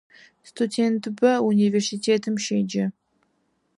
Студентыбэ унивэрситэтым щеджэ.